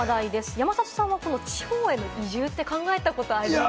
山里さん、地方への移住って考えたことありますか？